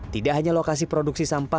tidak hanya lokasi produksi sampah